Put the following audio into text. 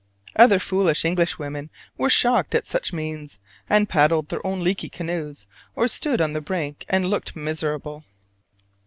Other foolish Englishwomen were shocked at such means, and paddled their own leaky canoes, or stood on the brink and looked miserable.